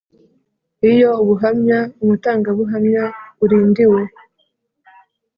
Iyo ubuhamya umutangabuhamya urindiwe